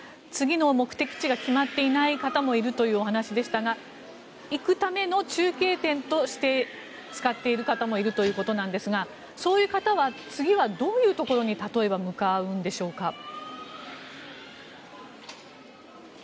次の目的地が決まっていない方もいるというお話でしたが行くための中継点として使っている方もいるということなんですがそういう方は次はどういうところに例えば向かうのでしょうか。